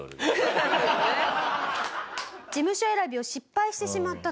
事務所選びを失敗してしまったと。